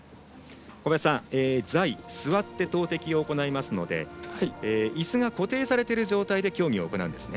座位、座って投てきを行いますのでいすが固定されている状態で競技を行うんですね。